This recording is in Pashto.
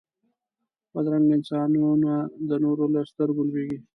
بدرنګه انسانونه د نورو له سترګو لوېږي